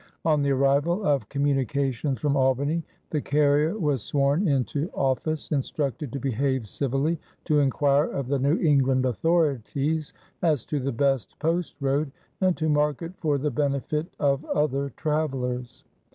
On the arrival of communications from Albany the carrier was sworn into office, instructed "to behave civily," to inquire of the New England authorities as to the best post road, and to mark it for the benefit of other travelers.